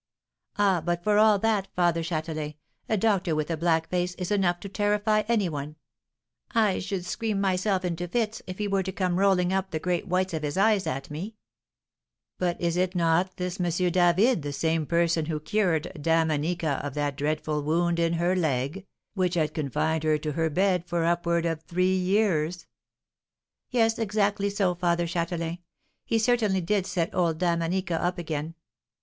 "Ah! but for all that, Father Châtelain, a doctor with a black face is enough to terrify any one I should scream myself into fits if he were to come rolling up the great whites of his eyes at me." "But is not this M. David the same person who cured Dame Anica of that dreadful wound in her leg, which had confined her to her bed for upwards of three years?" "Yes, exactly so, Father Châtelain; he certainly did set old Dame Anica up again."